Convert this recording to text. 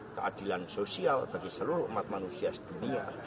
keadilan sosial bagi seluruh umat manusia sedunia